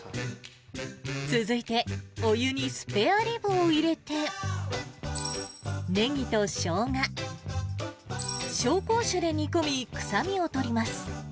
続いて、お湯にスペアリブを入れて、ネギとショウガ、紹興酒で煮込み、臭みを取ります。